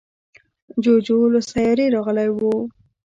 جوجو له سیارې راغلی و.